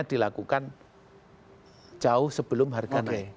dilakukan jauh sebelum harga naik